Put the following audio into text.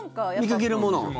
見かけるもの？